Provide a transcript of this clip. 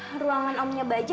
masah baiknya aku yang b bertaulat